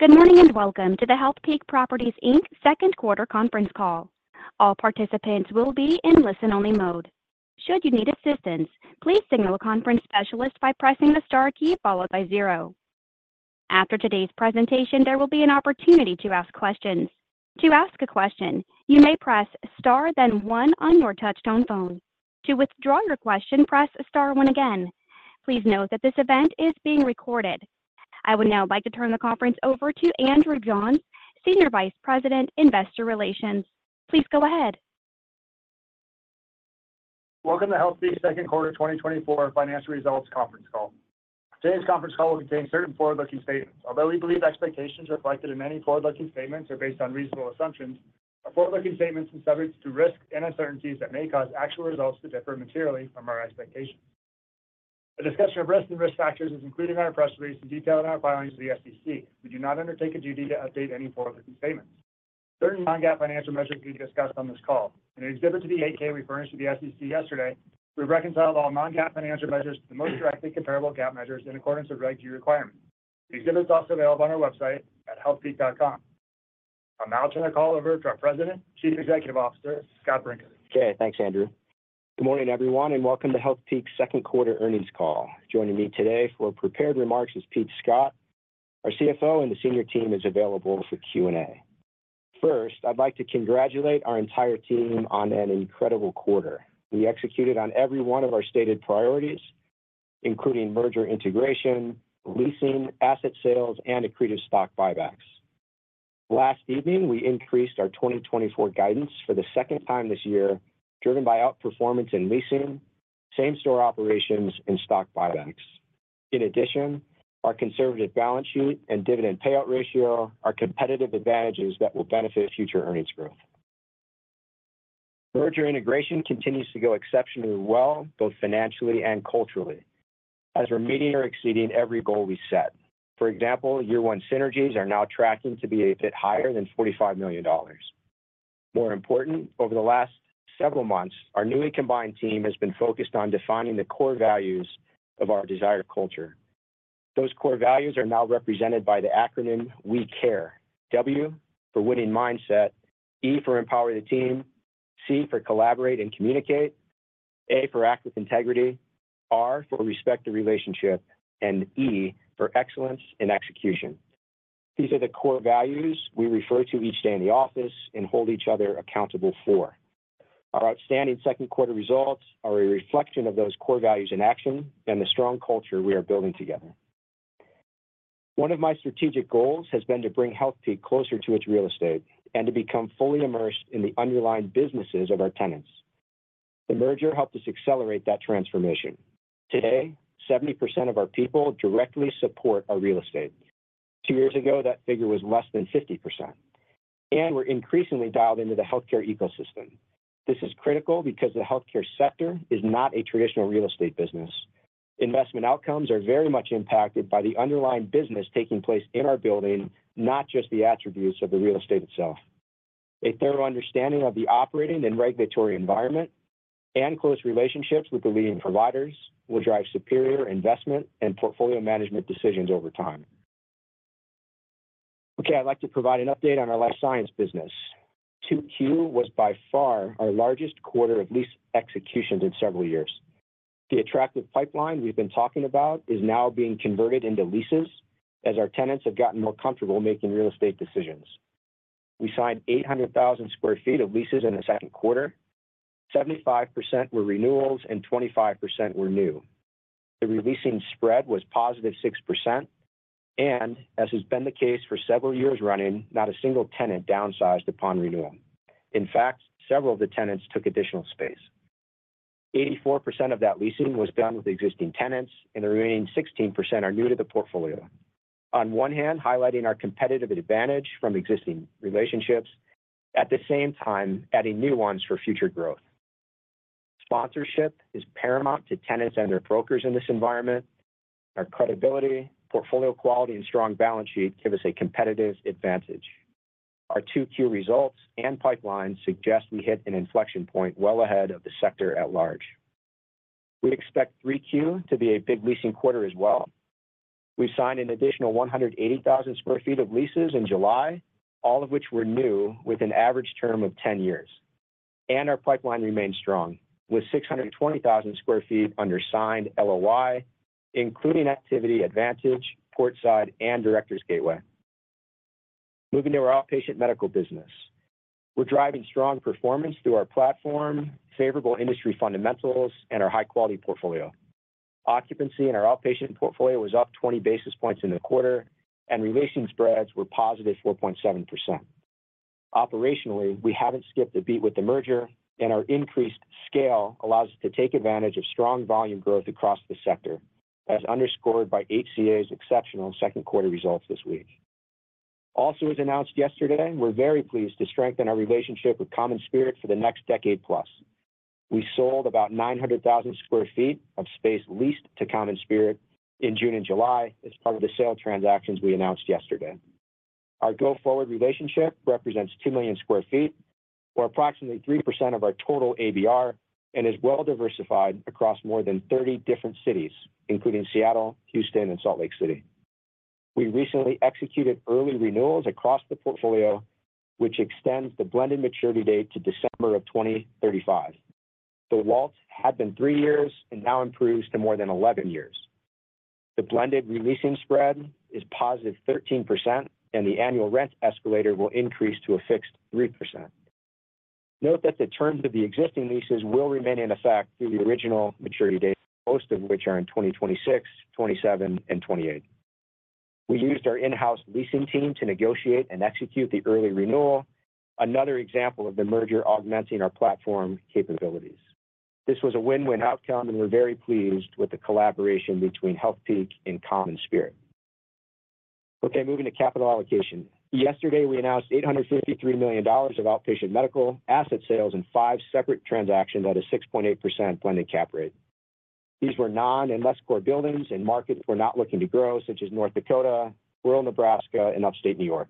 Good morning and welcome to the Healthpeak Properties Inc. Second Quarter Conference Call. All participants will be in listen-only mode. Should you need assistance, please signal a conference specialist by pressing the star key followed by zero. After today's presentation, there will be an opportunity to ask questions. To ask a question, you may press star then one on your touch-tone phone. To withdraw your question, press star one again. Please note that this event is being recorded. I would now like to turn the conference over to Andrew Johns, Senior Vice President, Investor Relations. Please go ahead. Welcome to Healthpeak Second Quarter 2024 Financial Results Conference Call. Today's conference call will contain certain forward-looking statements. Although we believe expectations reflected in many forward-looking statements are based on reasonable assumptions, our forward-looking statements are subject to risks and uncertainties that may cause actual results to differ materially from our expectations. The discussion of risks and risk factors is included in our press release and detailed in our filings to the SEC. We do not undertake a duty to update any forward-looking statements. Certain non-GAAP financial measures will be discussed on this call. In the exhibit to the 8-K we furnished to the SEC yesterday, we've reconciled all non-GAAP financial measures to the most directly comparable GAAP measures in accordance with Reg G requirements. The exhibit is also available on our website at healthpeak.com. I'll now turn the call over to our President, Chief Executive Officer, Scott Brinker. Okay. Thanks, Andrew. Good morning, everyone, and welcome to Healthpeak's Second Quarter Earnings Call. Joining me today for prepared remarks is Pete Scott, our CFO, and the senior team is available for Q&A. First, I'd like to congratulate our entire team on an incredible quarter. We executed on every one of our stated priorities, including merger integration, leasing, asset sales, and accretive stock buybacks. Last evening, we increased our 2024 guidance for the second time this year, driven by outperformance in leasing, same-store operations, and stock buybacks. In addition, our conservative balance sheet and dividend payout ratio are competitive advantages that will benefit future earnings growth. Merger integration continues to go exceptionally well, both financially and culturally, as we're meeting or exceeding every goal we set. For example, year-one synergies are now tracking to be a bit higher than $45 million. More important, over the last several months, our newly combined team has been focused on defining the core values of our desired culture. Those core values are now represented by the acronym WE CARE: W for Winning Mindset, E for Empower the Team, C for Collaborate and Communicate, A for Act with Integrity, R for Respect the Relationship, and E for Excellence in Execution. These are the core values we refer to each day in the office and hold each other accountable for. Our outstanding second quarter results are a reflection of those core values in action and the strong culture we are building together. One of my strategic goals has been to bring Healthpeak closer to its real estate and to become fully immersed in the underlying businesses of our tenants. The merger helped us accelerate that transformation. Today, 70% of our people directly support our real estate. Two years ago, that figure was less than 50%. We're increasingly dialed into the healthcare ecosystem. This is critical because the healthcare sector is not a traditional real estate business. Investment outcomes are very much impacted by the underlying business taking place in our building, not just the attributes of the real estate itself. A thorough understanding of the operating and regulatory environment and close relationships with the leading providers will drive superior investment and portfolio management decisions over time. Okay. I'd like to provide an update on our life science business. 2Q was by far our largest quarter of lease executions in several years. The attractive pipeline we've been talking about is now being converted into leases as our tenants have gotten more comfortable making real estate decisions. We signed 800,000 sq ft of leases in the second quarter. 75% were renewals and 25% were new. The re-leasing spread was positive 6%. As has been the case for several years running, not a single tenant downsized upon renewal. In fact, several of the tenants took additional space. 84% of that leasing was done with existing tenants, and the remaining 16% are new to the portfolio. On one hand, highlighting our competitive advantage from existing relationships, at the same time adding new ones for future growth. Sponsorship is paramount to tenants and their brokers in this environment. Our credibility, portfolio quality, and strong balance sheet give us a competitive advantage. Our 2Q results and pipeline suggest we hit an inflection point well ahead of the sector at large. We expect 3Q to be a big leasing quarter as well. We signed an additional 180,000 sq ft of leases in July, all of which were new with an average term of 10 years. Our pipeline remains strong with 620,000 sq ft under signed LOI, including Vantage, Portside, and Director's Gateway. Moving to our outpatient medical business. We're driving strong performance through our platform, favorable industry fundamentals, and our high-quality portfolio. Occupancy in our outpatient portfolio was up 20 basis points in the quarter, and releasing spreads were positive 4.7%. Operationally, we haven't skipped a beat with the merger, and our increased scale allows us to take advantage of strong volume growth across the sector, as underscored by HCA's exceptional second quarter results this week. Also, as announced yesterday, we're very pleased to strengthen our relationship with CommonSpirit for the next decade plus. We sold about 900,000 sq ft of space leased to CommonSpirit in June and July as part of the sale transactions we announced yesterday. Our go-forward relationship represents 2 million sq ft, or approximately 3% of our total ABR, and is well-diversified across more than 30 different cities, including Seattle, Houston, and Salt Lake City. We recently executed early renewals across the portfolio, which extends the blended maturity date to December of 2035. The WALT had been three years and now improves to more than 11 years. The blended releasing spread is positive 13%, and the annual rent escalator will increase to a fixed 3%. Note that the terms of the existing leases will remain in effect through the original maturity date, most of which are in 2026, 2027, and 2028. We used our in-house leasing team to negotiate and execute the early renewal, another example of the merger augmenting our platform capabilities. This was a win-win outcome, and we're very pleased with the collaboration between Healthpeak and CommonSpirit. Okay. Moving to capital allocation. Yesterday, we announced $853 million of outpatient medical asset sales in five separate transactions at a 6.8% blended cap rate. These were non- and less-core buildings, and markets we're not looking to grow, such as North Dakota, rural Nebraska, and upstate New York.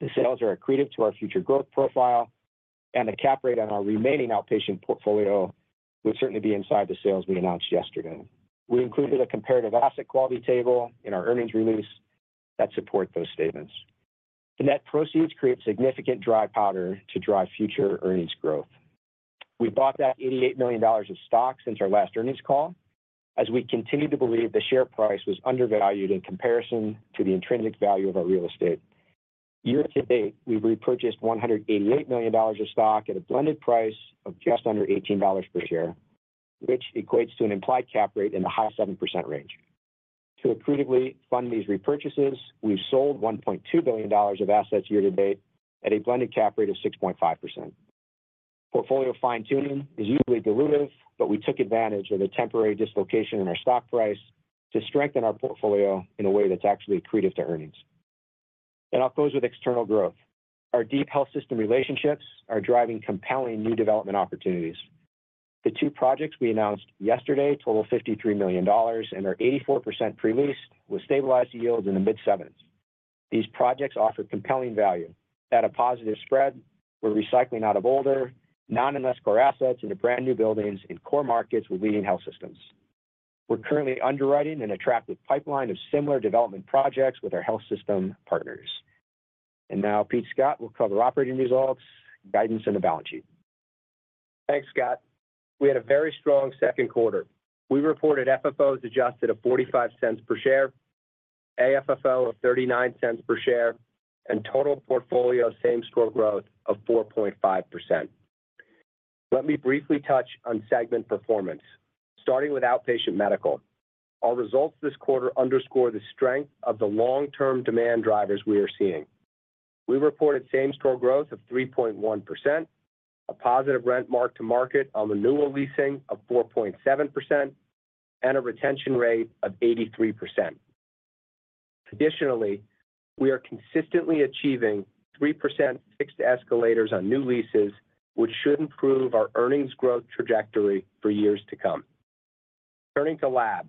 The sales are accretive to our future growth profile, and the cap rate on our remaining outpatient portfolio would certainly be inside the sales we announced yesterday. We included a comparative asset quality table in our earnings release that supports those statements. The net proceeds create significant dry powder to drive future earnings growth. We bought back $88 million of stock since our last earnings call, as we continue to believe the share price was undervalued in comparison to the intrinsic value of our real estate. Year to date, we've repurchased $188 million of stock at a blended price of just under $18 per share, which equates to an implied cap rate in the high 7% range. To accretively fund these repurchases, we've sold $1.2 billion of assets year to date at a blended cap rate of 6.5%. Portfolio fine-tuning is usually dilutive, but we took advantage of a temporary dislocation in our stock price to strengthen our portfolio in a way that's actually accretive to earnings. I'll close with external growth. Our deep health system relationships are driving compelling new development opportunities. The two projects we announced yesterday total $53 million and are 84% pre-leased, with stabilized yields in the mid-7s. These projects offer compelling value. At a positive spread, we're recycling out of older, non- and less-core assets into brand-new buildings in core markets with leading health systems. We're currently underwriting an attractive pipeline of similar development projects with our health system partners. And now, Pete Scott will cover operating results, guidance, and the balance sheet. Thanks, Scott. We had a very strong second quarter. We reported FFO as adjusted at $0.45 per share, AFFO of $0.39 per share, and total portfolio same-store growth of 4.5%. Let me briefly touch on segment performance, starting with outpatient medical. Our results this quarter underscore the strength of the long-term demand drivers we are seeing. We reported same-store growth of 3.1%, a positive rent mark-to-market on renewal leasing of 4.7%, and a retention rate of 83%. Additionally, we are consistently achieving 3% fixed escalators on new leases, which should improve our earnings growth trajectory for years to come. Turning to lab,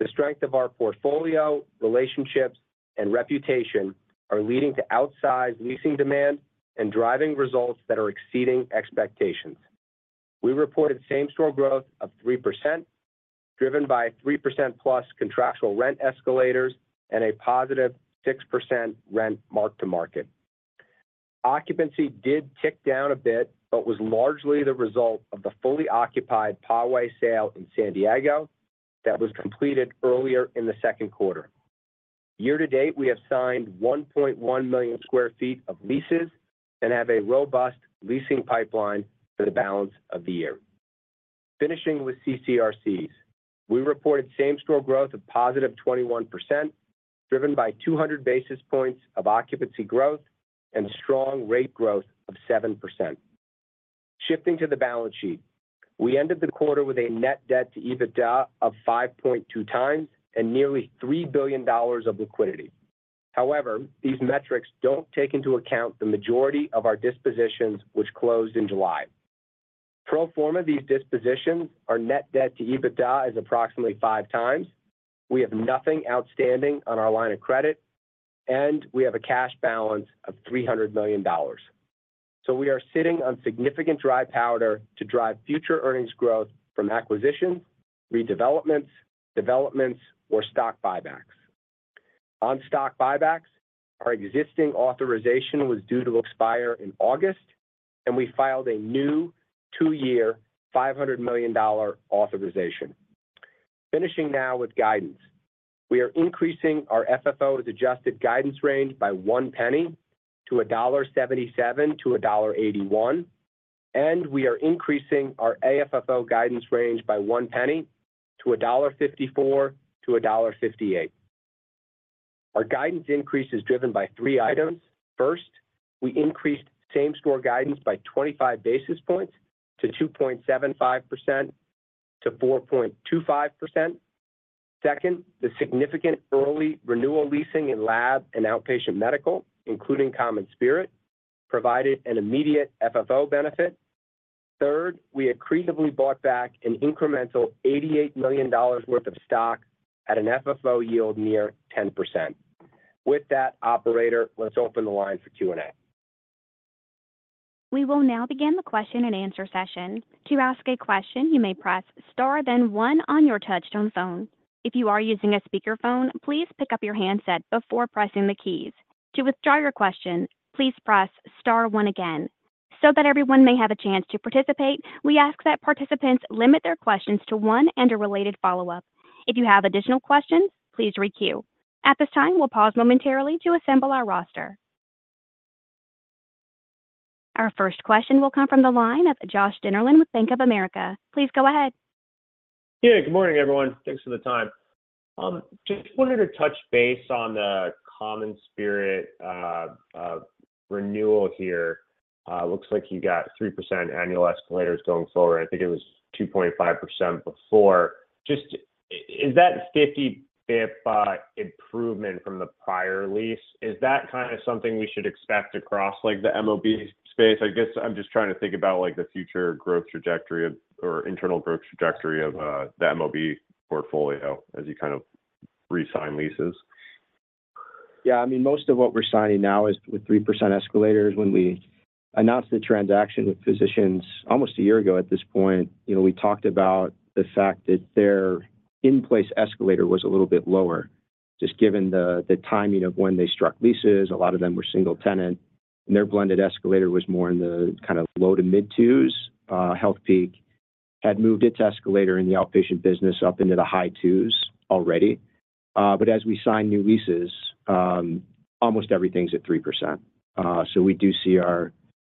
the strength of our portfolio, relationships, and reputation are leading to outsized leasing demand and driving results that are exceeding expectations. We reported same-store growth of 3%, driven by 3%+ contractual rent escalators and a positive 6% rent mark-to-market. Occupancy did tick down a bit but was largely the result of the fully occupied Poway sale in San Diego that was completed earlier in the second quarter. Year to date, we have signed 1.1 million sq ft of leases and have a robust leasing pipeline for the balance of the year. Finishing with CCRCs, we reported same-store growth of positive 21%, driven by 200 basis points of occupancy growth and strong rate growth of 7%. Shifting to the balance sheet, we ended the quarter with a net debt to EBITDA of 5.2 times and nearly $3 billion of liquidity. However, these metrics don't take into account the majority of our dispositions, which closed in July. Pro forma of these dispositions are net debt to EBITDA is approximately 5 times. We have nothing outstanding on our line of credit, and we have a cash balance of $300 million. So we are sitting on significant dry powder to drive future earnings growth from acquisitions, redevelopments, developments, or stock buybacks. On stock buybacks, our existing authorization was due to expire in August, and we filed a new two-year $500 million authorization. Finishing now with guidance. We are increasing our FFO's adjusted guidance range by one penny to $1.77-$1.81, and we are increasing our AFFO guidance range by one penny to $1.54-$1.58. Our guidance increase is driven by three items. First, we increased same-store guidance by 25 basis points to 2.75%-4.25%. Second, the significant early renewal leasing in lab and outpatient medical, including CommonSpirit, provided an immediate FFO benefit. Third, we accretively bought back an incremental $88 million worth of stock at an FFO yield near 10%. With that, Operator, let's open the line for Q&A. We will now begin the question-and-answer session. To ask a question, you may press Star, then 1 on your touch-tone phone. If you are using a speakerphone, please pick up your handset before pressing the keys. To withdraw your question, please press Star, 1 again. So that everyone may have a chance to participate, we ask that participants limit their questions to one and a related follow-up. If you have additional questions, please re-queue. At this time, we'll pause momentarily to assemble our roster. Our first question will come from the line of Josh Dennerlein with Bank of America. Please go ahead. Yeah. Good morning, everyone. Thanks for the time. Just wanted to touch base on the CommonSpirit renewal here. Looks like you got 3% annual escalators going forward. I think it was 2.5% before. Is that 50 bips improvement from the prior lease? Is that kind of something we should expect across the MOB space? I guess I'm just trying to think about the future growth trajectory or internal growth trajectory of the MOB portfolio as you kind of re-sign leases. Yeah. I mean, most of what we're signing now is with 3% escalators. When we announced the transaction with Physicians almost a year ago at this point, we talked about the fact that their in-place escalator was a little bit lower, just given the timing of when they struck leases. A lot of them were single-tenant, and their blended escalator was more in the kind of low- to mid-2s%. Healthpeak had moved its escalator in the outpatient business up into the high 2s% already. But as we sign new leases, almost everything's at 3%. So we do see our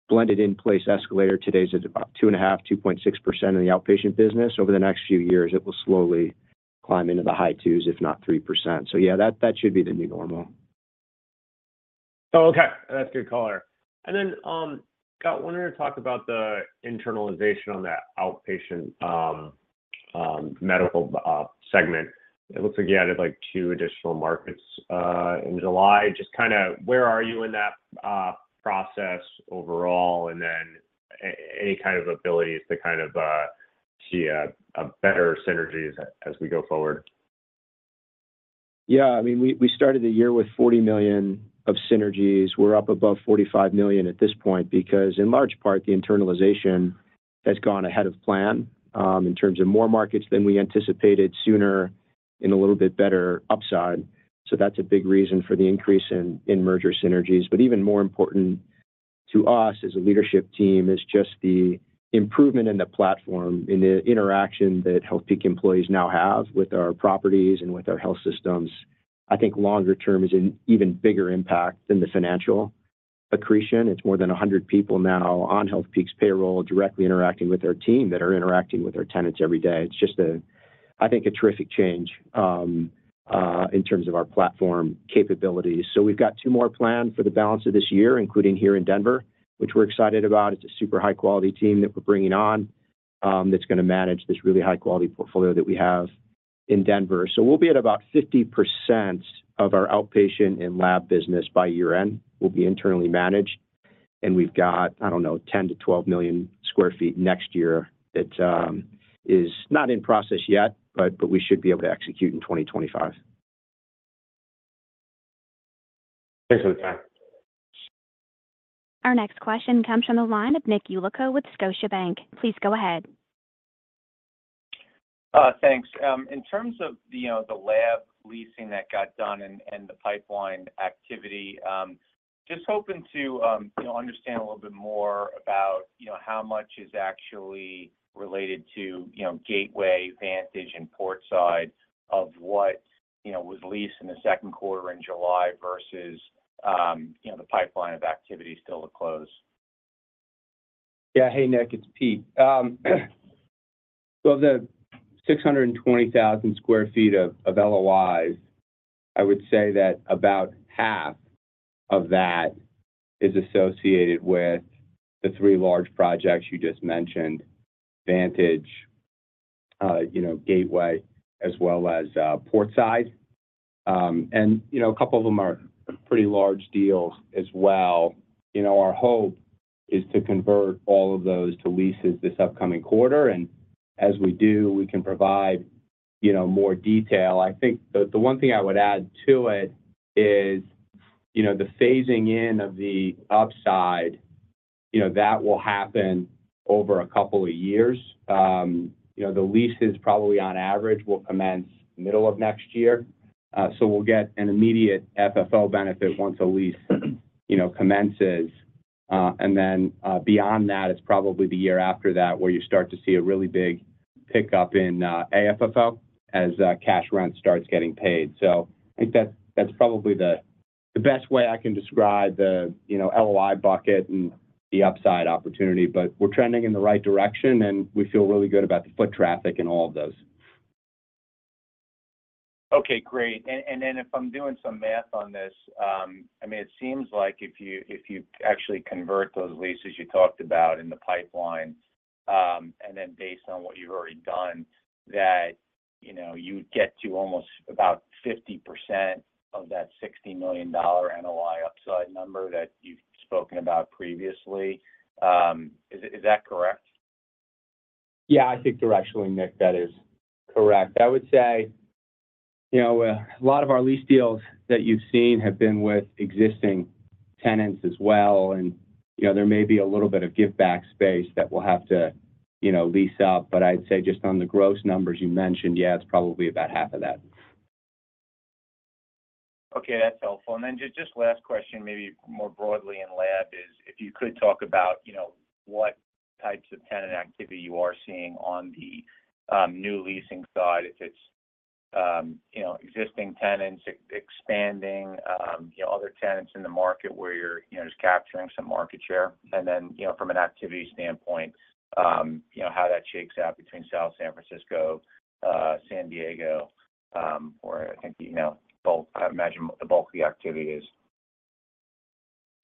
blended in-place escalator today is at about 2.5%-2.6% in the outpatient business. Over the next few years, it will slowly climb into the high 2s%, if not 3%. So yeah, that should be the new normal. Oh, okay. That's good color. And then Scott, I wanted to talk about the internalization on that outpatient medical segment. It looks like you added 2 additional markets in July. Just kind of where are you in that process overall, and then any kind of abilities to kind of see a better synergy as we go forward? Yeah. I mean, we started the year with $40 million of synergies. We're up above $45 million at this point because, in large part, the internalization has gone ahead of plan in terms of more markets than we anticipated, sooner in a little bit better upside. So that's a big reason for the increase in merger synergies. But even more important to us as a leadership team is just the improvement in the platform, in the interaction that Healthpeak employees now have with our properties and with our health systems. I think longer term is an even bigger impact than the financial accretion. It's more than 100 people now on Healthpeak's payroll directly interacting with our team that are interacting with our tenants every day. It's just, I think, a terrific change in terms of our platform capabilities. So we've got two more planned for the balance of this year, including here in Denver, which we're excited about. It's a super high-quality team that we're bringing on that's going to manage this really high-quality portfolio that we have in Denver. So we'll be at about 50% of our outpatient and lab business by year-end. We'll be internally managed, and we've got, I don't know, 10-12 million sq ft next year that is not in process yet, but we should be able to execute in 2025. Thanks for the time. Our next question comes from the line of Nick Yulico with Scotiabank. Please go ahead. Thanks. In terms of the lab leasing that got done and the pipeline activity, just hoping to understand a little bit more about how much is actually related to Gateway, Vantage, and Portside of what was leased in the second quarter in July versus the pipeline of activity still to close? Yeah. Hey, Nick, it's Pete. Of the 620,000 sq ft of LOIs, I would say that about half of that is associated with the three large projects you just mentioned: Vantage, Gateway, as well as Portside. A couple of them are pretty large deals as well. Our hope is to convert all of those to leases this upcoming quarter. As we do, we can provide more detail. I think the one thing I would add to it is the phasing in of the upside, that will happen over a couple of years. The leases, probably on average, will commence middle of next year. We'll get an immediate FFO benefit once a lease commences. Then beyond that, it's probably the year after that where you start to see a really big pickup in AFFO as cash rent starts getting paid. So I think that's probably the best way I can describe the LOI bucket and the upside opportunity. But we're trending in the right direction, and we feel really good about the foot traffic and all of those. Okay. Great. And then if I'm doing some math on this, I mean, it seems like if you actually convert those leases you talked about in the pipeline and then based on what you've already done, that you'd get to almost about 50% of that $60 million NOI upside number that you've spoken about previously. Is that correct? Yeah. I think directly, Nick, that is correct. I would say a lot of our lease deals that you've seen have been with existing tenants as well, and there may be a little bit of give-back space that we'll have to lease up. But I'd say just on the gross numbers you mentioned, yeah, it's probably about half of that. Okay. That's helpful. And then just last question, maybe more broadly in lab, is if you could talk about what types of tenant activity you are seeing on the new leasing side, if it's existing tenants, expanding, other tenants in the market where you're just capturing some market share, and then from an activity standpoint, how that shakes out between South San Francisco, San Diego, where I think both, I imagine, the bulk of the activity is?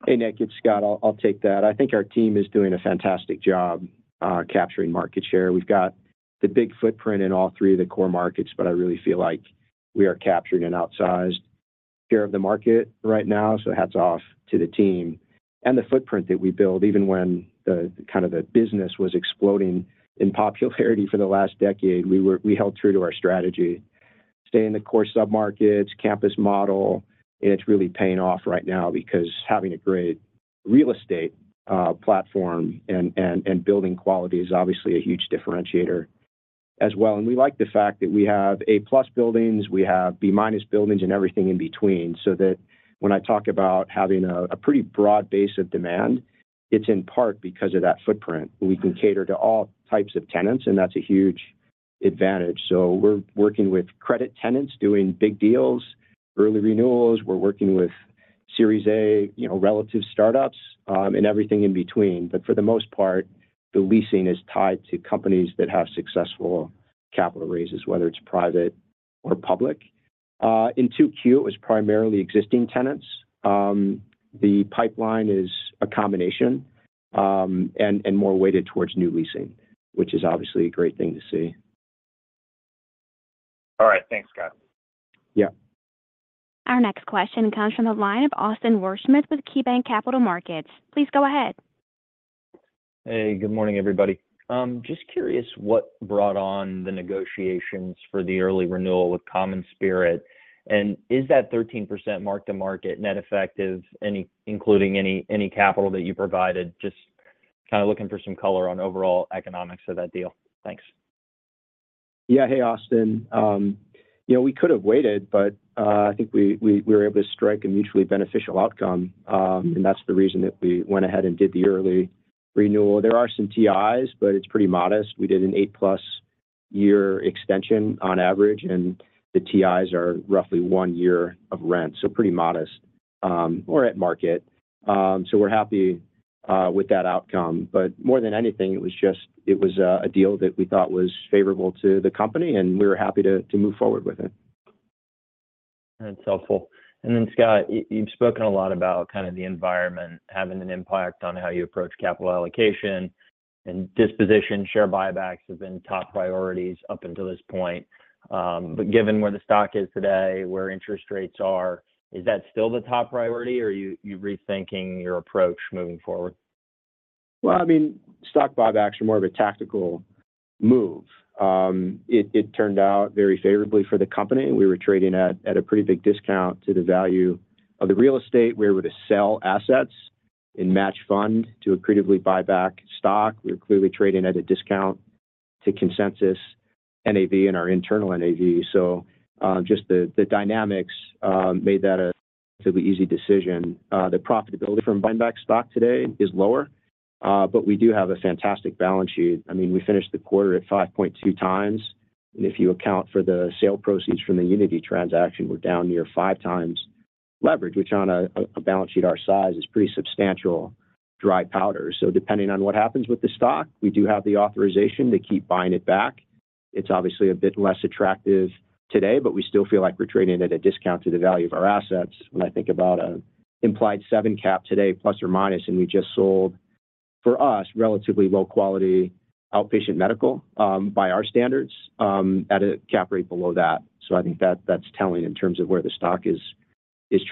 Hey, Nick, it's Scott. I'll take that. I think our team is doing a fantastic job capturing market share. We've got the big footprint in all three of the core markets, but I really feel like we are capturing an outsized share of the market right now. So hats off to the team and the footprint that we build. Even when kind of the business was exploding in popularity for the last decade, we held true to our strategy, staying the core submarkets, campus model. And it's really paying off right now because having a great real estate platform and building quality is obviously a huge differentiator as well. And we like the fact that we have A-plus buildings, we have B-minus buildings, and everything in between. So that when I talk about having a pretty broad base of demand, it's in part because of that footprint. We can cater to all types of tenants, and that's a huge advantage. So we're working with credit tenants doing big deals, early renewals. We're working with Series A relative startups and everything in between. But for the most part, the leasing is tied to companies that have successful capital raises, whether it's private or public. In 2Q, it was primarily existing tenants. The pipeline is a combination and more weighted towards new leasing, which is obviously a great thing to see. All right. Thanks, Scott. Yeah. Our next question comes from the line of Austin Wurschmidt with KeyBanc Capital Markets. Please go ahead. Hey. Good morning, everybody. Just curious what brought on the negotiations for the early renewal with CommonSpirit, and is that 13% mark-to-market net effective, including any capital that you provided? Just kind of looking for some color on overall economics of that deal. Thanks. Yeah. Hey, Austin. We could have waited, but I think we were able to strike a mutually beneficial outcome, and that's the reason that we went ahead and did the early renewal. There are some TIs, but it's pretty modest. We did an 8+ year extension on average, and the TIs are roughly one year of rent, so pretty modest or at market. So we're happy with that outcome. But more than anything, it was a deal that we thought was favorable to the company, and we were happy to move forward with it. That's helpful. Then, Scott, you've spoken a lot about kind of the environment having an impact on how you approach capital allocation and disposition. Share buybacks have been top priorities up until this point. But given where the stock is today, where interest rates are, is that still the top priority, or are you rethinking your approach moving forward? Well, I mean, stock buybacks are more of a tactical move. It turned out very favorably for the company. We were trading at a pretty big discount to the value of the real estate. We were able to sell assets and match fund to accretively buyback stock. We were clearly trading at a discount to consensus NAV and our internal NAV. So just the dynamics made that a relatively easy decision. The profitability from buying back stock today is lower, but we do have a fantastic balance sheet. I mean, we finished the quarter at 5.2 times. And if you account for the sale proceeds from the unity transaction, we're down near five times leverage, which on a balance sheet our size is pretty substantial dry powder. So depending on what happens with the stock, we do have the authorization to keep buying it back. It's obviously a bit less attractive today, but we still feel like we're trading at a discount to the value of our assets. When I think about an implied 7 cap today, plus or minus, and we just sold, for us, relatively low-quality outpatient medical by our standards at a cap rate below that. So I think that's telling in terms of where the stock is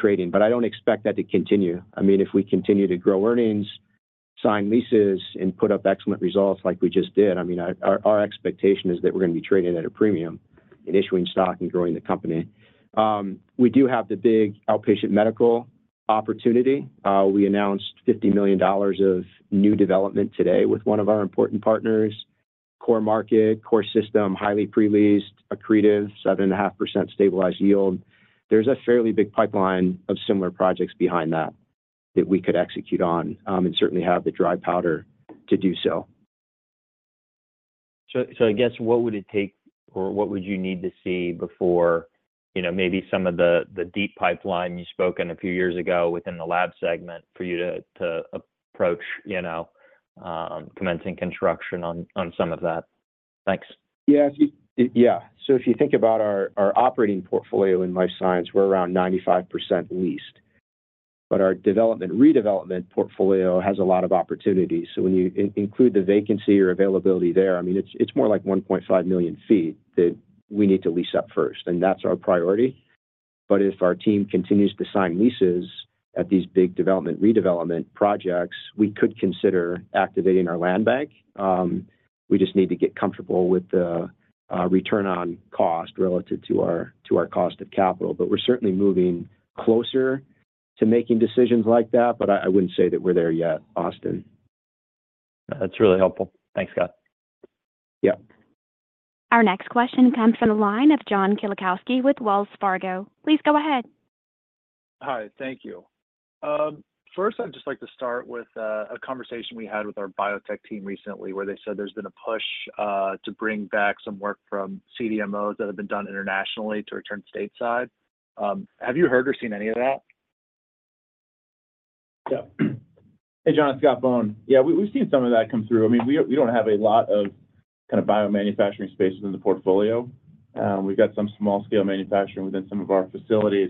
trading. But I don't expect that to continue. I mean, if we continue to grow earnings, sign leases, and put up excellent results like we just did, I mean, our expectation is that we're going to be trading at a premium in issuing stock and growing the company. We do have the big outpatient medical opportunity. We announced $50 million of new development today with one of our important partners, Core Market, Core System, highly pre-leased, accretive, 7.5% stabilized yield. There's a fairly big pipeline of similar projects behind that that we could execute on and certainly have the dry powder to do so. I guess what would it take or what would you need to see before maybe some of the deep pipeline you spoke on a few years ago within the lab segment for you to approach commencing construction on some of that? Thanks. Yeah. So if you think about our operating portfolio in life science, we're around 95% leased. But our development redevelopment portfolio has a lot of opportunities. So when you include the vacancy or availability there, I mean, it's more like 1.5 million sq ft that we need to lease up first, and that's our priority. But if our team continues to sign leases at these big development redevelopment projects, we could consider activating our land bank. We just need to get comfortable with the return on cost relative to our cost of capital. But we're certainly moving closer to making decisions like that, but I wouldn't say that we're there yet, Austin. That's really helpful. Thanks, Scott. Yeah. Our next question comes from the line of John Kilichowski with Wells Fargo. Please go ahead. Hi. Thank you. First, I'd just like to start with a conversation we had with our biotech team recently where they said there's been a push to bring back some work from CDMOs that have been done internationally to return stateside. Have you heard or seen any of that? Yeah. Hey, John, Scott Bohn. Yeah. We've seen some of that come through. I mean, we don't have a lot of kind of biomanufacturing spaces in the portfolio. We've got some small-scale manufacturing within some of our facilities,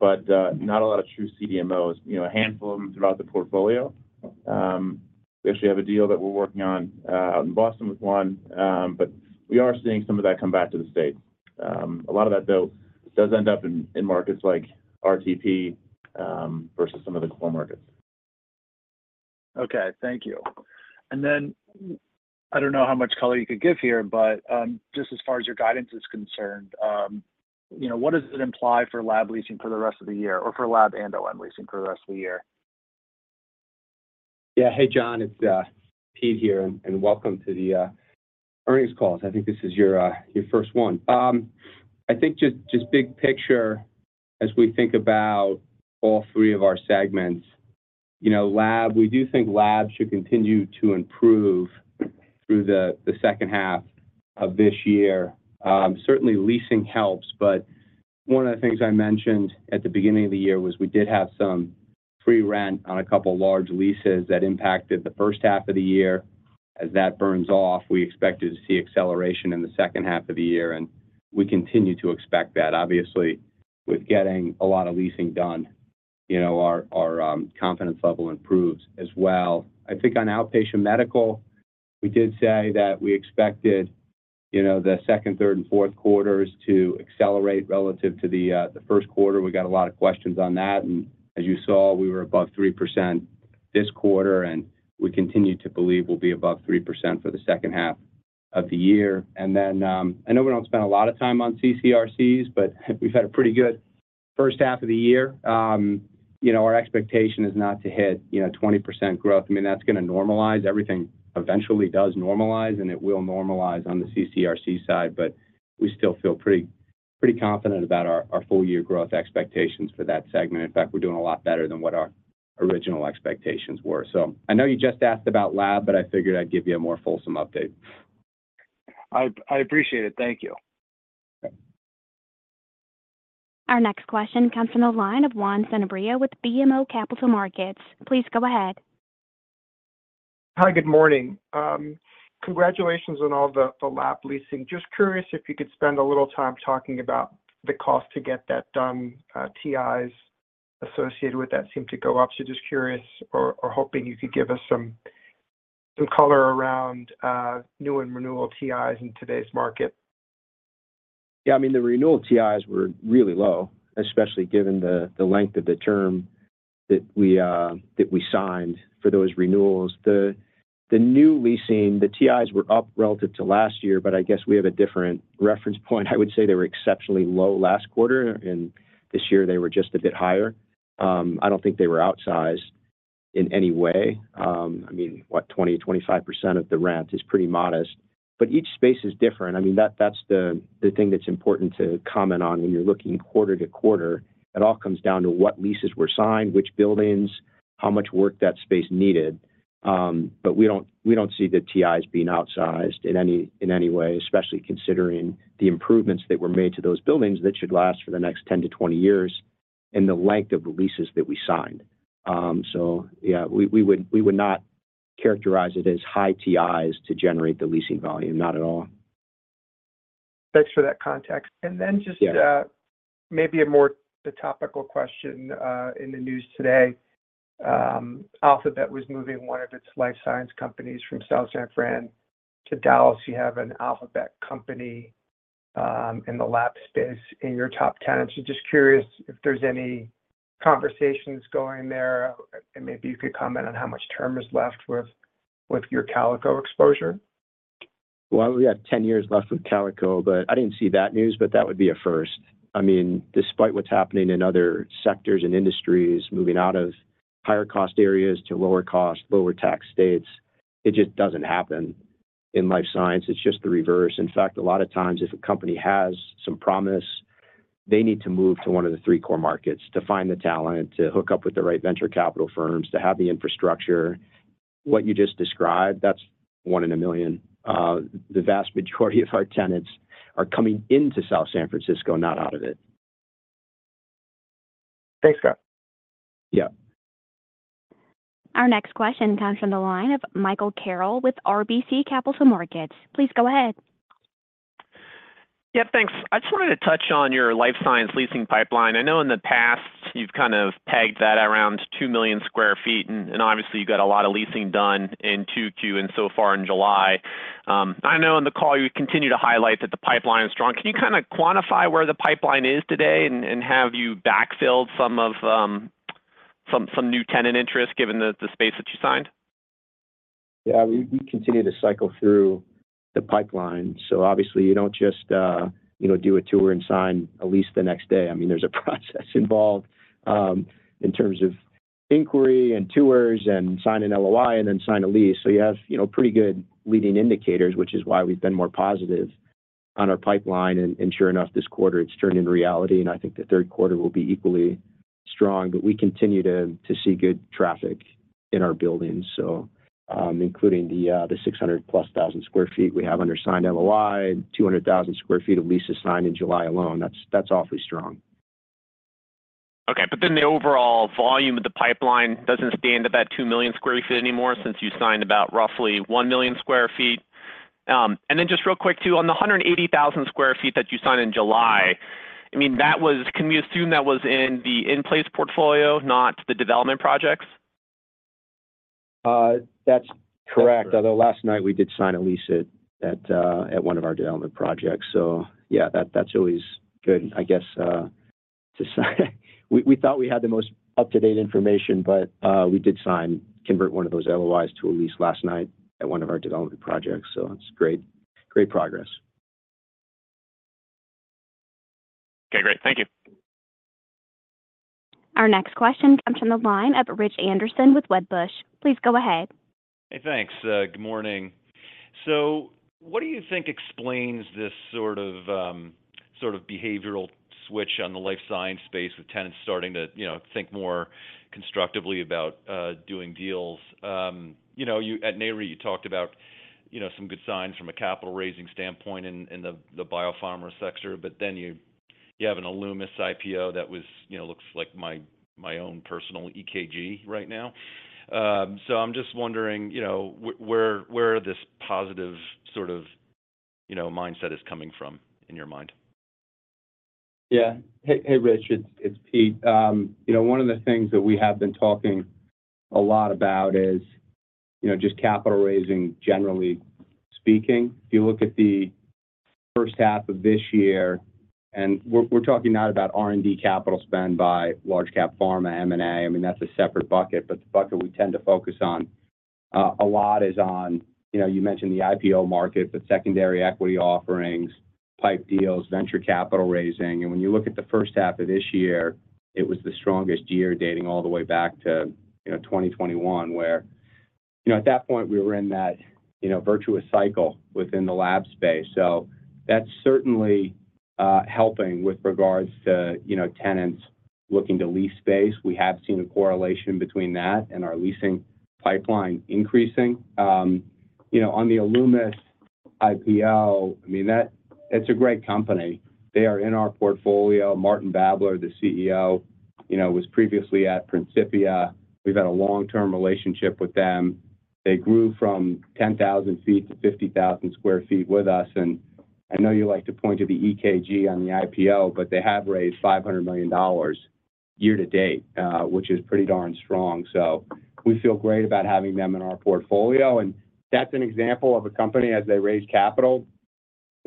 but not a lot of true CDMOs, a handful of them throughout the portfolio. We actually have a deal that we're working on out in Boston with one, but we are seeing some of that come back to the States. A lot of that, though, does end up in markets like RTP versus some of the core markets. Okay. Thank you. Then I don't know how much color you could give here, but just as far as your guidance is concerned, what does it imply for lab leasing for the rest of the year or for lab and/or office leasing for the rest of the year? Yeah. Hey, John. It's Pete here, and welcome to the earnings calls. I think this is your first one. I think just big picture, as we think about all three of our segments, we do think labs should continue to improve through the second half of this year. Certainly, leasing helps, but one of the things I mentioned at the beginning of the year was we did have some free rent on a couple of large leases that impacted the first half of the year. As that burns off, we expected to see acceleration in the second half of the year, and we continue to expect that. Obviously, with getting a lot of leasing done, our confidence level improves as well. I think on outpatient medical, we did say that we expected the second, third, and fourth quarters to accelerate relative to the first quarter. We got a lot of questions on that. As you saw, we were above 3% this quarter, and we continue to believe we'll be above 3% for the second half of the year. Then I know we don't spend a lot of time on CCRCs, but we've had a pretty good first half of the year. Our expectation is not to hit 20% growth. I mean, that's going to normalize. Everything eventually does normalize, and it will normalize on the CCRC side, but we still feel pretty confident about our full-year growth expectations for that segment. In fact, we're doing a lot better than what our original expectations were. I know you just asked about lab, but I figured I'd give you a more fulsome update. I appreciate it. Thank you. Our next question comes from the line of Juan Sanabria with BMO Capital Markets. Please go ahead. Hi. Good morning. Congratulations on all the lab leasing. Just curious if you could spend a little time talking about the cost to get that done. TIs associated with that seem to go up. So just curious or hoping you could give us some color around new and renewal TIs in today's market? Yeah. I mean, the renewal TIs were really low, especially given the length of the term that we signed for those renewals. The new leasing, the TIs were up relative to last year, but I guess we have a different reference point. I would say they were exceptionally low last quarter, and this year they were just a bit higher. I don't think they were outsized in any way. I mean, what, 20%-25% of the rent is pretty modest, but each space is different. I mean, that's the thing that's important to comment on when you're looking quarter to quarter. It all comes down to what leases were signed, which buildings, how much work that space needed. But we don't see the TIs being outsized in any way, especially considering the improvements that were made to those buildings that should last for the next 10-20 years and the length of leases that we signed. So yeah, we would not characterize it as high TIs to generate the leasing volume, not at all. Thanks for that context. And then just maybe a more topical question in the news today. Alphabet was moving one of its life science companies from South San Fran to Dallas. You have an Alphabet company in the lab space in your top 10. So just curious if there's any conversations going there, and maybe you could comment on how much term is left with your Calico exposure. Well, we got 10 years left with Calico, but I didn't see that news, but that would be a first. I mean, despite what's happening in other sectors and industries, moving out of higher-cost areas to lower-cost, lower-tax states, it just doesn't happen in life science. It's just the reverse. In fact, a lot of times if a company has some promise, they need to move to one of the three core markets to find the talent, to hook up with the right venture capital firms, to have the infrastructure. What you just described, that's one in a million. The vast majority of our tenants are coming into South San Francisco, not out of it. Thanks, Scott. Yeah. Our next question comes from the line of Michael Carroll with RBC Capital Markets. Please go ahead. Yeah. Thanks. I just wanted to touch on your life science leasing pipeline. I know in the past you've kind of pegged that around 2 million sq ft, and obviously you've got a lot of leasing done in 2Q and so far in July. I know in the call you continue to highlight that the pipeline is strong. Can you kind of quantify where the pipeline is today and have you backfilled some new tenant interest given the space that you signed? Yeah. We continue to cycle through the pipeline. So obviously you don't just do a tour and sign a lease the next day. I mean, there's a process involved in terms of inquiry and tours and sign an LOI and then sign a lease. So you have pretty good leading indicators, which is why we've been more positive on our pipeline. And sure enough, this quarter it's turned into reality, and I think the third quarter will be equally strong. But we continue to see good traffic in our buildings, including the 600+ thousand sq ft we have under signed LOI and 200,000 sq ft of leases signed in July alone. That's awfully strong. Okay. But then the overall volume of the pipeline doesn't stand at that 2 million sq ft anymore since you signed about roughly 1 million sq ft. And then just real quick too, on the 180,000 sq ft that you signed in July, I mean, can we assume that was in the in-place portfolio, not the development projects? That's correct. Although last night we did sign a lease at one of our development projects. So yeah, that's always good, I guess, to sign. We thought we had the most up-to-date information, but we did convert one of those LOIs to a lease last night at one of our development projects. So it's great progress. Okay. Great. Thank you. Our next question comes from the line of Rich Anderson with Wedbush. Please go ahead. Hey, thanks. Good morning. So what do you think explains this sort of behavioral switch on the life science space with tenants starting to think more constructively about doing deals? At Nareit, you talked about some good signs from a capital-raising standpoint in the biopharma sector, but then you have an Alumis IPO that looks like my own personal EKG right now. So I'm just wondering where this positive sort of mindset is coming from in your mind. Yeah. Hey, Rich. It's Pete. One of the things that we have been talking a lot about is just capital raising, generally speaking. If you look at the first half of this year, and we're talking not about R&D capital spend by large-cap pharma, M&A. I mean, that's a separate bucket, but the bucket we tend to focus on a lot is on, you mentioned the IPO market, the secondary equity offerings, pipe deals, venture capital raising. And when you look at the first half of this year, it was the strongest year dating all the way back to 2021, where at that point we were in that virtuous cycle within the lab space. So that's certainly helping with regards to tenants looking to lease space. We have seen a correlation between that and our leasing pipeline increasing. On the Alumis IPO, I mean, it's a great company. They are in our portfolio. Martin Babler, the CEO, was previously at Principia. We've had a long-term relationship with them. They grew from 10,000 sq ft to 50,000 sq ft with us. And I know you like to point to the EKG on the IPO, but they have raised $500 million year to date, which is pretty darn strong. So we feel great about having them in our portfolio. And that's an example of a company as they raise capital,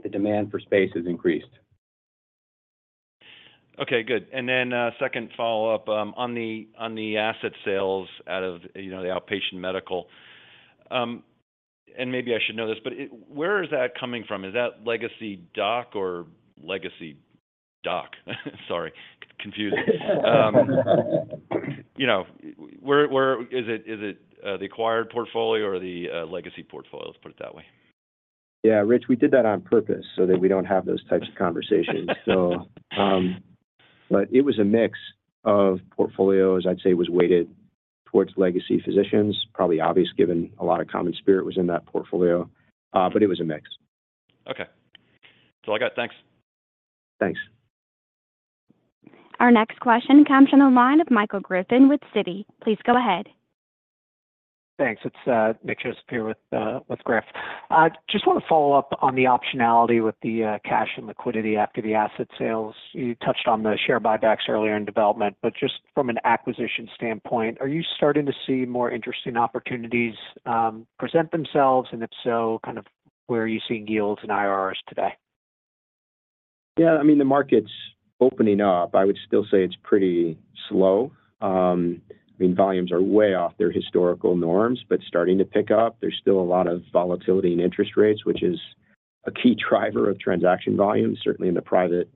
the demand for space has increased. Okay. Good. And then second follow-up on the asset sales out of the outpatient medical. And maybe I should know this, but where is that coming from? Is that legacy dock or legacy dock? Sorry. Confusing. Is it the acquired portfolio or the legacy portfolio? Let's put it that way. Yeah. Rich, we did that on purpose so that we don't have those types of conversations. But it was a mix of portfolios. I'd say it was weighted towards legacy Physicians. Probably obvious given a lot of CommonSpirit was in that portfolio, but it was a mix. Okay. That's all I got. Thanks. Thanks. Our next question comes from the line of Michael Griffin with Citi. Please go ahead. Thanks. It's Nick Joseph here with Griff. Just want to follow up on the optionality with the cash and liquidity after the asset sales. You touched on the share buybacks earlier in development, but just from an acquisition standpoint, are you starting to see more interesting opportunities present themselves? And if so, kind of where are you seeing yields and IRRs today? Yeah. I mean, the market's opening up. I would still say it's pretty slow. I mean, volumes are way off their historical norms, but starting to pick up. There's still a lot of volatility in interest rates, which is a key driver of transaction volume, certainly in the private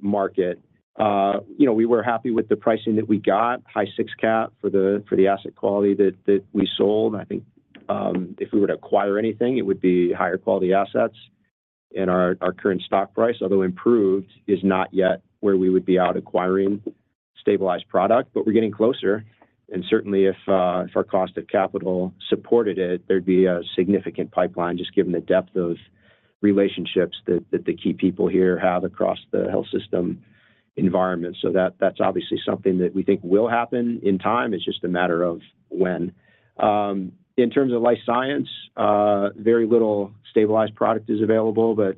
market. We were happy with the pricing that we got, high six cap for the asset quality that we sold. I think if we were to acquire anything, it would be higher quality assets in our current stock price. Although improved is not yet where we would be out acquiring stabilized product, but we're getting closer. And certainly, if our cost of capital supported it, there'd be a significant pipeline just given the depth of relationships that the key people here have across the health system environment. So that's obviously something that we think will happen in time. It's just a matter of when. In terms of life science, very little stabilized product is available, but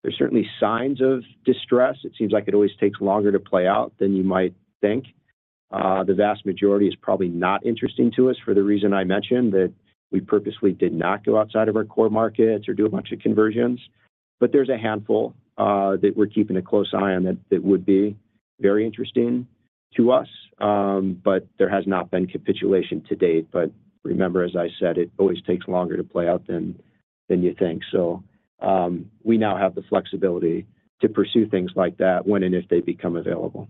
there's certainly signs of distress. It seems like it always takes longer to play out than you might think. The vast majority is probably not interesting to us for the reason I mentioned that we purposely did not go outside of our core markets or do a bunch of conversions. But there's a handful that we're keeping a close eye on that would be very interesting to us, but there has not been capitulation to date. But remember, as I said, it always takes longer to play out than you think. So we now have the flexibility to pursue things like that when and if they become available.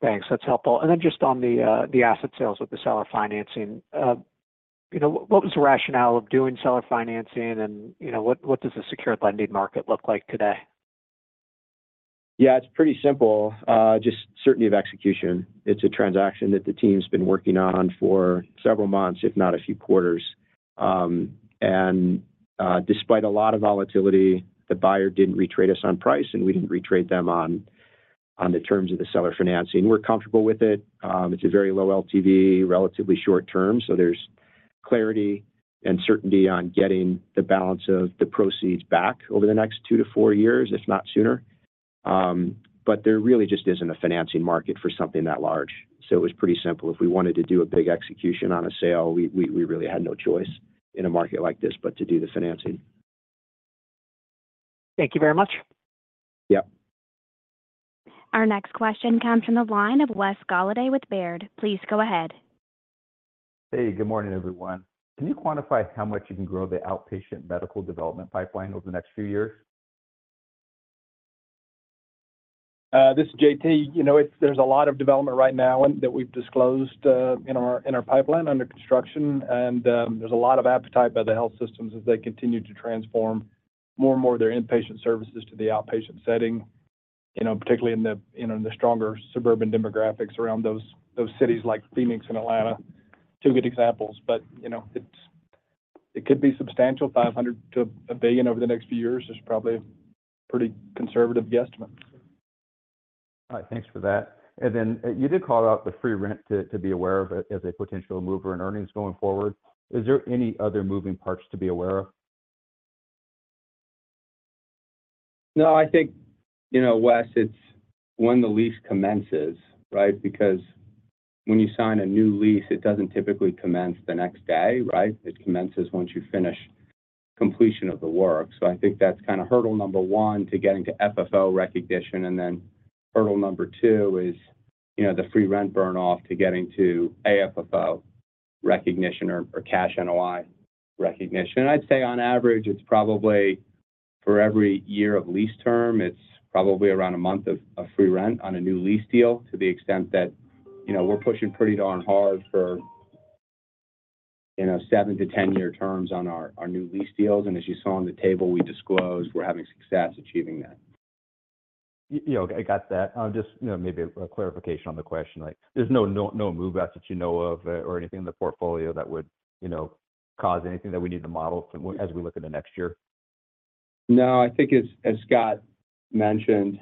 Thanks. That's helpful. And then just on the asset sales with the seller financing, what was the rationale of doing seller financing and what does the secure lending market look like today? Yeah. It's pretty simple. Just certainty of execution. It's a transaction that the team's been working on for several months, if not a few quarters. And despite a lot of volatility, the buyer didn't retrade us on price and we didn't retrade them on the terms of the seller financing. We're comfortable with it. It's a very low LTV, relatively short term. So there's clarity and certainty on getting the balance of the proceeds back over the next 2-4 years, if not sooner. But there really just isn't a financing market for something that large. So it was pretty simple. If we wanted to do a big execution on a sale, we really had no choice in a market like this, but to do the financing. Thank you very much. Yep. Our next question comes from the line of Wes Golladay with Baird. Please go ahead. Hey, good morning, everyone. Can you quantify how much you can grow the outpatient medical development pipeline over the next few years? This is JT. There's a lot of development right now that we've disclosed in our pipeline under construction. And there's a lot of appetite by the health systems as they continue to transform more and more of their inpatient services to the outpatient setting, particularly in the stronger suburban demographics around those cities like Phoenix and Atlanta. Two good examples. But it could be substantial, $500 million-$1 billion over the next few years is probably a pretty conservative guesstimate. All right. Thanks for that. Then you did call out the free rent to be aware of as a potential mover in earnings going forward. Is there any other moving parts to be aware of? No, I think, Wes, it's when the lease commences, right? Because when you sign a new lease, it doesn't typically commence the next day, right? It commences once you finish completion of the work. So I think that's kind of hurdle number one to getting to FFO recognition. And then hurdle number two is the free rent burn-off to getting to AFFO recognition or cash NOI recognition. I'd say on average, it's probably for every year of lease term, it's probably around a month of free rent on a new lease deal to the extent that we're pushing pretty darn hard for 7-10-year terms on our new lease deals. And as you saw on the table we disclosed, we're having success achieving that. Yeah. Okay. Got that. Just maybe a clarification on the question. There's no move out that you know of or anything in the portfolio that would cause anything that we need to model as we look into next year? No, I think as Scott mentioned,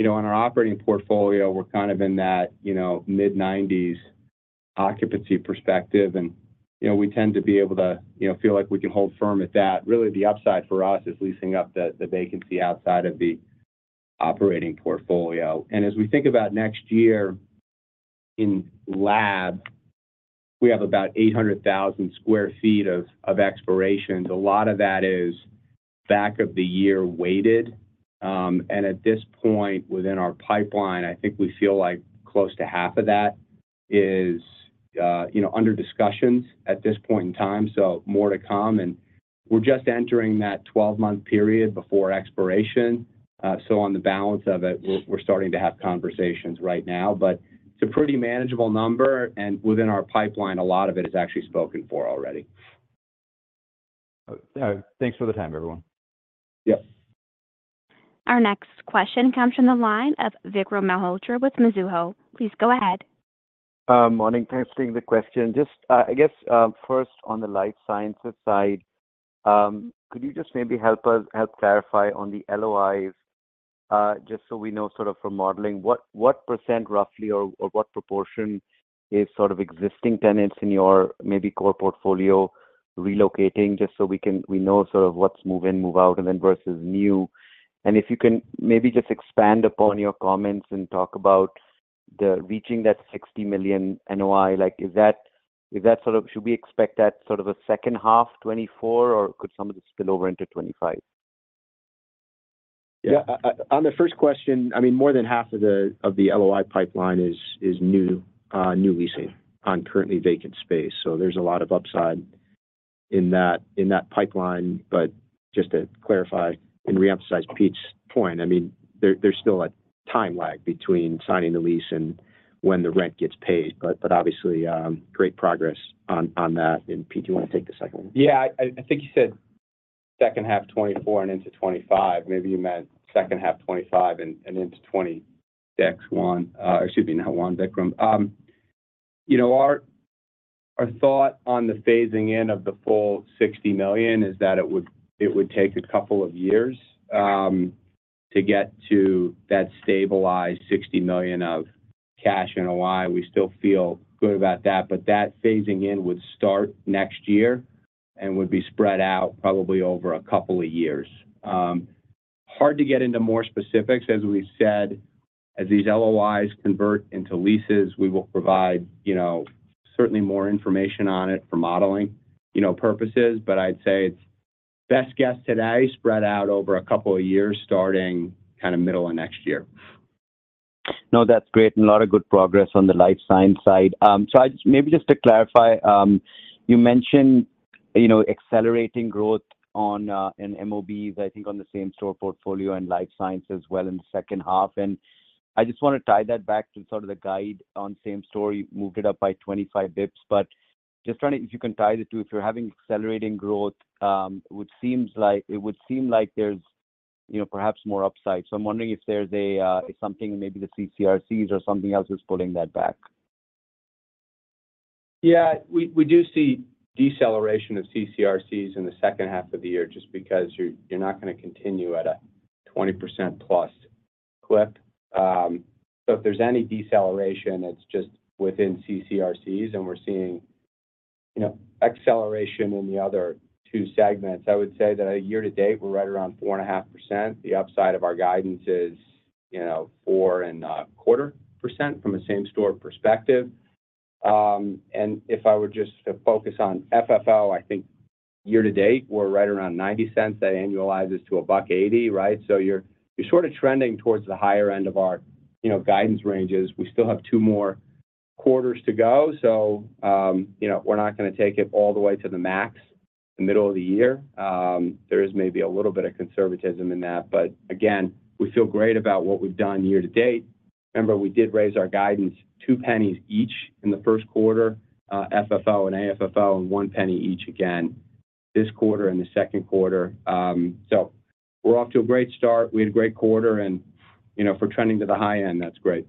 on our operating portfolio, we're kind of in that mid-90s occupancy perspective. We tend to be able to feel like we can hold firm at that. Really, the upside for us is leasing up the vacancy outside of the operating portfolio. As we think about next year in lab, we have about 800,000 sq ft of exploration. A lot of that is back of the year weighted. At this point within our pipeline, I think we feel like close to half of that is under discussions at this point in time. More to come. We're just entering that 12-month period before exploration. On the balance of it, we're starting to have conversations right now. But it's a pretty manageable number. Within our pipeline, a lot of it is actually spoken for already. Thanks for the time, everyone. Yep. Our next question comes from the line of Vikram Malhotra with Mizuho. Please go ahead. Morning. Thanks for taking the question. Just, I guess, first on the life sciences side, could you just maybe help clarify on the LOIs just so we know sort of from modeling what percent roughly or what proportion is sort of existing tenants in your maybe core portfolio relocating just so we know sort of what's move in, move out, and then versus new? And if you can maybe just expand upon your comments and talk about reaching that $60 million NOI, is that sort of should we expect that sort of a second half, 2024, or could some of this spill over into 2025? Yeah. On the first question, I mean, more than half of the LOI pipeline is new leasing on currently vacant space. So there's a lot of upside in that pipeline. But just to clarify and reemphasize Pete's point, I mean, there's still a time lag between signing the lease and when the rent gets paid. But obviously, great progress on that. And Pete, do you want to take the second one? Yeah. I think you said second half 2024 and into 2025. Maybe you meant second half 2025 and into 2026, 2021. Or excuse me, not 2021, Vikram. Our thought on the phasing in of the full $60 million is that it would take a couple of years to get to that stabilized $60 million of cash NOI. We still feel good about that. But that phasing in would start next year and would be spread out probably over a couple of years. Hard to get into more specifics. As we said, as these LOIs convert into leases, we will provide certainly more information on it for modeling purposes. But I'd say it's best guess today, spread out over a couple of years starting kind of middle of next year. No, that's great. And a lot of good progress on the life science side. So maybe just to clarify, you mentioned accelerating growth on MOBs, I think, on the same-store portfolio and life sciences as well in the second half. And I just want to tie that back to sort of the guide on same-store. You moved it up by 25 bps. But just trying to, if you can tie the two, if you're having accelerating growth, it would seem like there's perhaps more upside. So I'm wondering if there's something, maybe the CCRCs or something else is pulling that back. Yeah. We do see deceleration of CCRCs in the second half of the year just because you're not going to continue at a 20%+ clip. So if there's any deceleration, it's just within CCRCs. And we're seeing acceleration in the other two segments. I would say that year to date, we're right around 4.5%. The upside of our guidance is 4.25% from a same store perspective. And if I were just to focus on FFO, I think year to date, we're right around $0.90. That annualizes to $1.80, right? So you're sort of trending towards the higher end of our guidance ranges. We still have two more quarters to go. So we're not going to take it all the way to the max the middle of the year. There is maybe a little bit of conservatism in that. But again, we feel great about what we've done year to date. Remember, we did raise our guidance $0.02 each in the first quarter, FFO and AFFO, and $0.01 each again this quarter and the second quarter. So we're off to a great start. We had a great quarter. And if we're trending to the high end, that's great.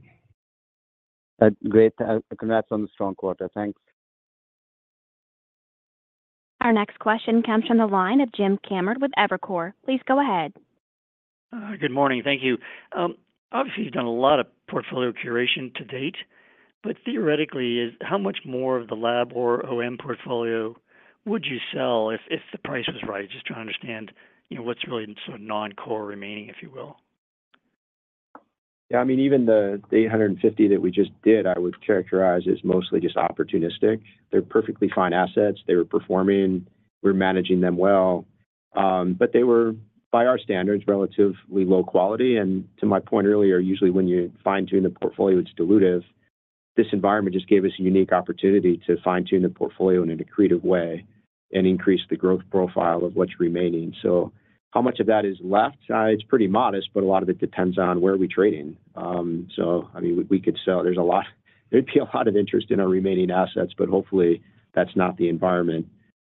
Great. Congrats on the strong quarter. Thanks. Our next question comes from the line of Jim Kammert with Evercore ISI. Please go ahead. Good morning. Thank you. Obviously, you've done a lot of portfolio curation to date. But theoretically, how much more of the lab or OM portfolio would you sell if the price was right? Just trying to understand what's really sort of non-core remaining, if you will. Yeah. I mean, even the 850 that we just did, I would characterize as mostly just opportunistic. They're perfectly fine assets. They were performing. We're managing them well. But they were, by our standards, relatively low quality. And to my point earlier, usually when you fine-tune the portfolio, it's dilutive. This environment just gave us a unique opportunity to fine-tune the portfolio in a creative way and increase the growth profile of what's remaining. So how much of that is left? It's pretty modest, but a lot of it depends on where are we trading. So I mean, we could sell. There'd be a lot of interest in our remaining assets, but hopefully, that's not the environment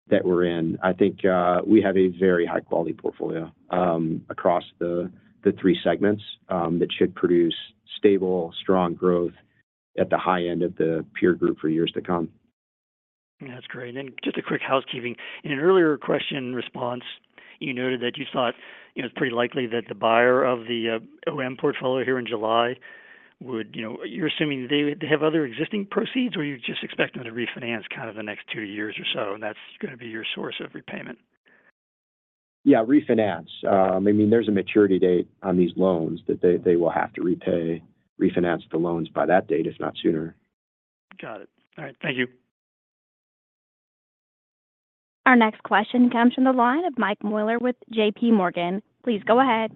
that we're in. I think we have a very high-quality portfolio across the three segments that should produce stable, strong growth at the high end of the peer group for years to come. That's great. And just a quick housekeeping. In an earlier question response, you noted that you thought it's pretty likely that the buyer of the OM portfolio here in July would. You're assuming they have other existing proceeds or you're just expecting them to refinance kind of the next two years or so? And that's going to be your source of repayment? Yeah. Refinance. I mean, there's a maturity date on these loans that they will have to refinance the loans by that date, if not sooner. Got it. All right. Thank you. Our next question comes from the line of Mike Mueller with JP Morgan. Please go ahead.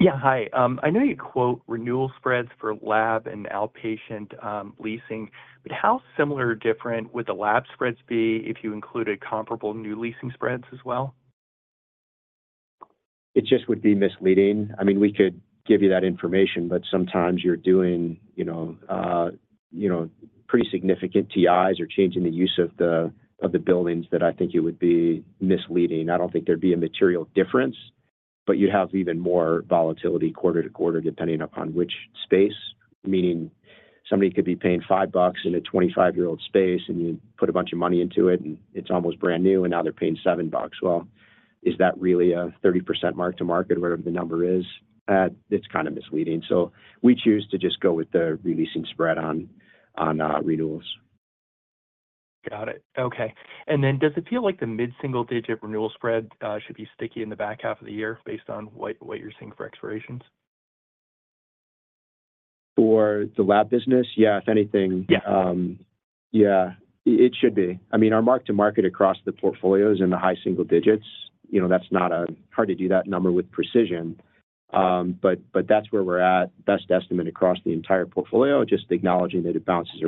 Yeah. Hi. I know you quote renewal spreads for lab and outpatient leasing. But how similar or different would the lab spreads be if you included comparable new leasing spreads as well? It just would be misleading. I mean, we could give you that information, but sometimes you're doing pretty significant TIs or changing the use of the buildings that I think it would be misleading. I don't think there'd be a material difference, but you'd have even more volatility quarter to quarter depending upon which space. Meaning somebody could be paying $5 in a 25-year-old space, and you put a bunch of money into it, and it's almost brand new, and now they're paying $7. Well, is that really a 30% mark to market, whatever the number is? It's kind of misleading. So we choose to just go with the releasing spread on renewals. Got it. Okay. And then does it feel like the mid-single-digit renewal spread should be sticky in the back half of the year based on what you're seeing for expirations? For the lab business? Yeah. If anything. Yeah. Yeah. It should be. I mean, our mark to market across the portfolio is in the high single digits. That's not hard to do, that number with precision. But that's where we're at, best estimate across the entire portfolio, just acknowledging that it bounces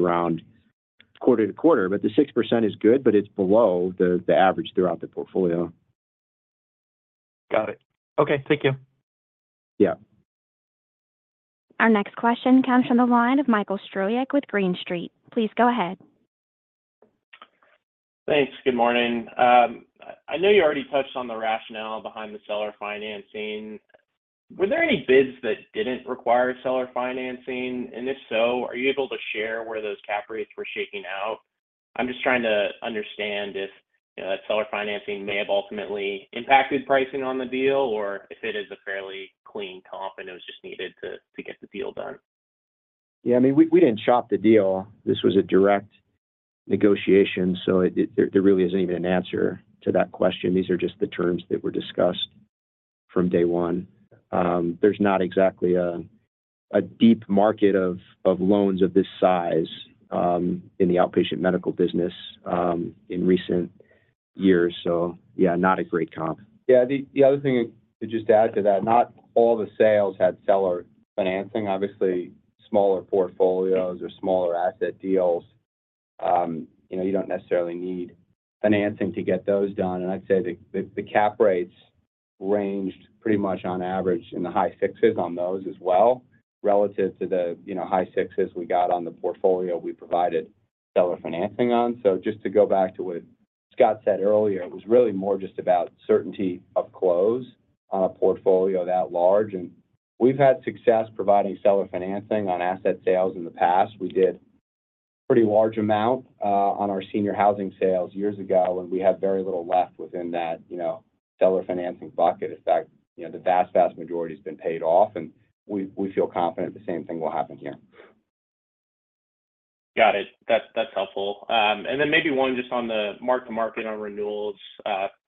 around quarter to quarter. But the 6% is good, but it's below the average throughout the portfolio. Got it. Okay. Thank you. Yeah. Our next question comes from the line of Michael Stroyeck with Green Street. Please go ahead. Thanks. Good morning. I know you already touched on the rationale behind the seller financing. Were there any bids that didn't require seller financing? And if so, are you able to share where those cap rates were shaking out? I'm just trying to understand if that seller financing may have ultimately impacted pricing on the deal or if it is a fairly clean comp and it was just needed to get the deal done. Yeah. I mean, we didn't shop the deal. This was a direct negotiation. So there really isn't even an answer to that question. These are just the terms that were discussed from day one. There's not exactly a deep market of loans of this size in the outpatient medical business in recent years. So yeah, not a great comp. Yeah. The other thing to just add to that, not all the sales had seller financing. Obviously, smaller portfolios or smaller asset deals, you don't necessarily need financing to get those done. And I'd say the cap rates ranged pretty much on average in the high 6s on those as well relative to the high 6s we got on the portfolio we provided seller financing on. So just to go back to what Scott said earlier, it was really more just about certainty of close on a portfolio that large. And we've had success providing seller financing on asset sales in the past. We did a pretty large amount on our senior housing sales years ago, and we have very little left within that seller financing bucket. In fact, the vast, vast majority has been paid off, and we feel confident the same thing will happen here. Got it. That's helpful. And then maybe one just on the mark-to-market on renewals.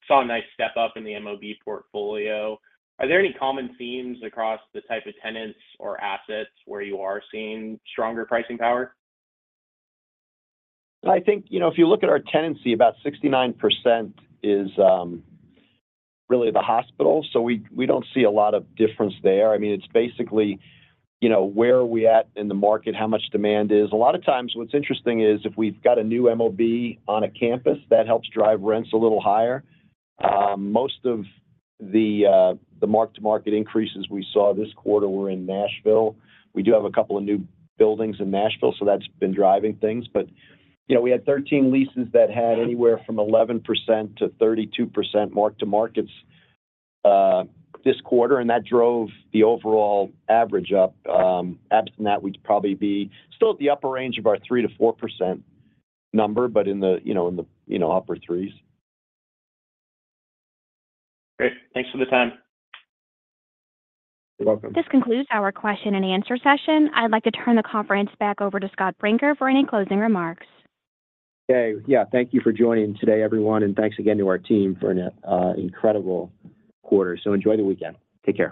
Saw a nice step up in the MOB portfolio. Are there any common themes across the type of tenants or assets where you are seeing stronger pricing power? I think if you look at our tenancy, about 69% is really the hospital. So we don't see a lot of difference there. I mean, it's basically where are we at in the market, how much demand is. A lot of times what's interesting is if we've got a new MOB on a campus, that helps drive rents a little higher. Most of the mark-to-market increases we saw this quarter were in Nashville. We do have a couple of new buildings in Nashville, so that's been driving things. But we had 13 leases that had anywhere from 11%-32% mark-to-markets this quarter, and that drove the overall average up. Above that, we'd probably be still at the upper range of our 3%-4% number, but in the upper threes. Great. Thanks for the time. You're welcome. This concludes our question and answer session. I'd like to turn the conference back over to Scott Brinker for any closing remarks. Okay. Yeah. Thank you for joining today, everyone. Thanks again to our team for an incredible quarter. Enjoy the weekend. Take care.